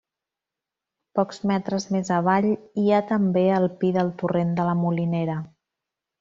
Pocs metres més avall hi ha també el Pi del Torrent de la Molinera.